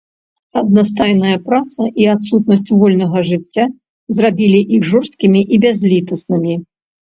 Аднастайная праца і адсутнасць вольнага жыцця зрабілі іх жорсткімі і бязлітаснымі.